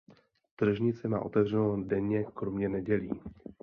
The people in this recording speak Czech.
Tržnice má otevřeno denně kromě nedělí.